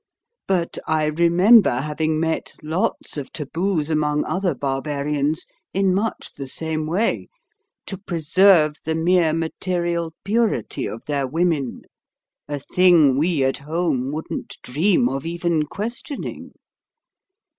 But I remember having met lots of taboos among other barbarians, in much the same way, to preserve the mere material purity of their women a thing we at home wouldn't dream of even questioning.